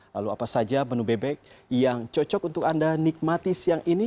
lalu apa saja menu bebek yang cocok untuk anda nikmati siang ini